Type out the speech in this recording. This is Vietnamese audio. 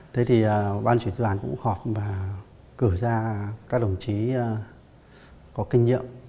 thế thì ban chỉ huy tư đoàn cũng họp và cử ra một tổ chức rất là chuyên nghiệp